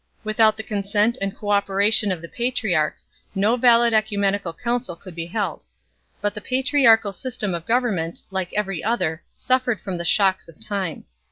With out the consent and cooperation of the patriarchs no valid oecumenical council could be held. But the patriarchal system of government, like every other, suffered from the shocks of time.